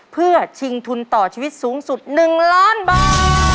เพื่อชิงทุนต่อชีวิตสูงสุด๑ล้านบาท